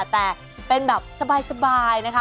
แต่เป็นแบบสบายนะคะ